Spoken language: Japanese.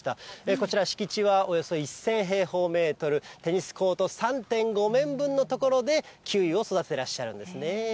こちら、敷地はおよそ１０００平方メートル、テニスコート３．５面分の所で、キウイを育ててらっしゃるんですね。